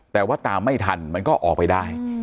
แต่ว่าตามไม่ทันมันก็ออกไปได้